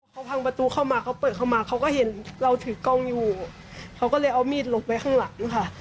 เขาพังประตูเข้ามาเขาเปิดเข้ามาเขาก็เห็นเราถือกล้องอยู่เขาก็เลยเอามีดหลบไปข้างหลังค่ะ